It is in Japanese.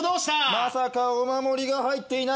まさかお守りが入っていない。